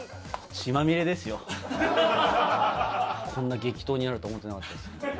血まみれですよ、こんな激闘になるとは思ってなかったです。